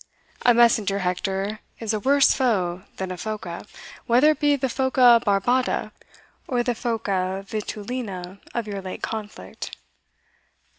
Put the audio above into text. A messenger, Hector, is a worse foe than a phoca, whether it be the phoca barbata, or the phoca vitulina of your late conflict."